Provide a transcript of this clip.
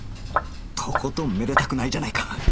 とことんめでたくないじゃないか！